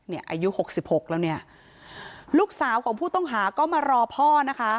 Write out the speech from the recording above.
อายุหกสิบหกแล้วเนี่ยลูกสาวของผู้ต้องหาก็มารอพ่อนะคะ